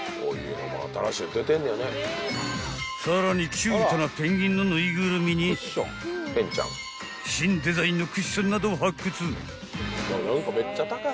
［さらにキュートなペンギンの縫いぐるみに新デザインのクッションなどを発掘］